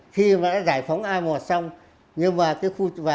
khi mà đã giải phóng a một xong nhưng mà cái khu